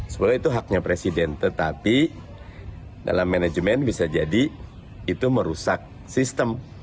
sebenarnya itu haknya presiden tetapi dalam manajemen bisa jadi itu merusak sistem